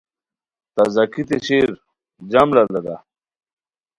تازگی تھے شیر؟ جم لہ دادا